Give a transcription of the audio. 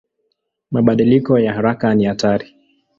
Mabadiliko ya haraka ni hatari.